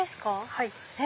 はい。